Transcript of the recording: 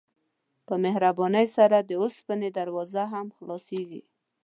په مهربانۍ سره د اوسپنې دروازې هم خلاصیږي.